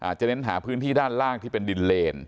จะเน้นหาพื้นที่ด้านล่างที่เป็นดินเลน